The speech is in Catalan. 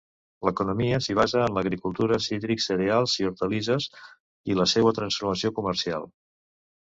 L'economia s'hi basa en l'agricultura, cítrics, cereals i hortalisses i la seua transformació comercial.